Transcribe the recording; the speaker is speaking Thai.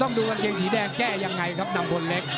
ดูกางเกงสีแดงแก้ยังไงครับนำพลเล็ก